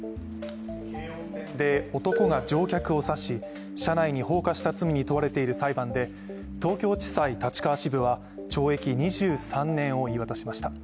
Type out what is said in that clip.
京王線で男が乗客を刺し、車内に放火した罪に問われている裁判で東京地裁立川支部は懲役２３年を言い渡しました。